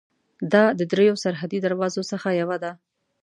دا د درېیو سرحدي دروازو څخه یوه ده.